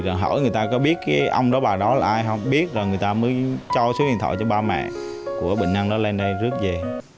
rồi hỏi người ta có biết cái ông đó bà đó là ai không biết rồi người ta mới cho số điện thoại cho ba mẹ của bệnh nhân đó lên đây rất dễ